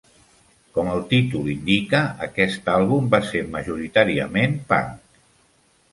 Com el títol indica, aquest àlbum va ser majoritàriament punk.